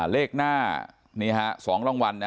เลขหน้า๒รางวัล